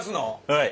はい。